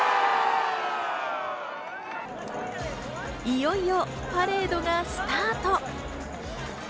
いよいよパレードがスタート。